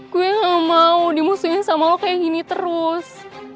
gue gak mau dimusuhin sama lo kayak gini terus